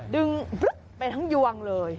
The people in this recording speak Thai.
ดึงไปทั้งยวงเลย